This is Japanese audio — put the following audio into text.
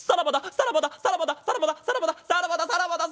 さらばだ。